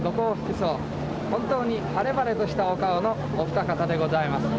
本当に晴れ晴れとしたお顔のお二方でございます」。